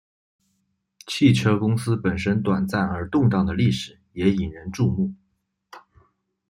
汽车公司本身短暂而动荡的历史也引人注目。